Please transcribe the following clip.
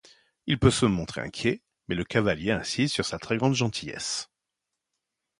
Il peut se montrer inquiet, mais le cavalier insiste sur sa très grande gentillesse.